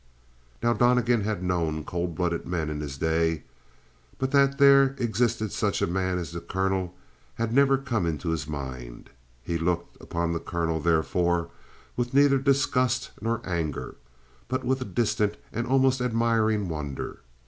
Now, Donnegan had known cold blooded men in his day, but that there existed such a man as the colonel had never come into his mind. He looked upon the colonel, therefore, with neither disgust nor anger, but with a distant and almost admiring wonder.